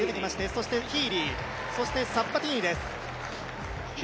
そしてヒーリー、そしてサッバティーニです。